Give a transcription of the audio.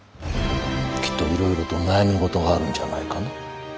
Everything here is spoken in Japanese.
きっといろいろと悩み事があるんじゃないかな。